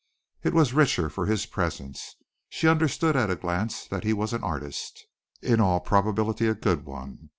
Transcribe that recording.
It was richer for his presence. She understood at a glance that he was an artist, in all probability a good one.